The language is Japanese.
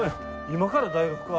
今から大学か？